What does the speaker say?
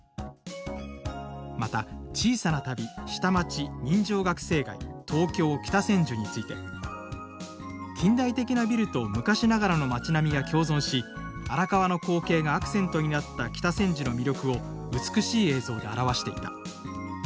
また小さな旅「下町人情学生街東京北千住」について「近代的なビルと昔ながらの町並みが共存し荒川の光景がアクセントになった北千住の魅力を美しい映像で表していた」